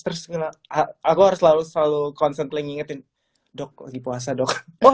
terus aku harus selalu concern lagi ngingetin dok lagi puasa dok